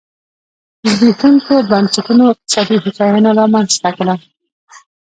زبېښونکو بنسټونو اقتصادي هوساینه رامنځته کړه.